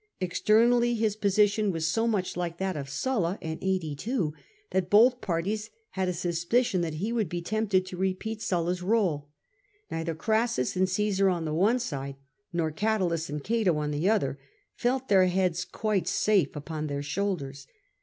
Externally his position was so much like that of Sulla in 82 that both parties had a suspicion that he would be tempted to repeat Sulla's r 81 e. Neither Crassus and Ca3sar on the one side, nor Gatulus and Cato on the other, felt their heads quite safe upon their shoulders.